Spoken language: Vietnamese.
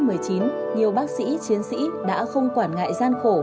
nhiều bác sĩ chiến sĩ đã không quản ngại gia đình của vợ chồng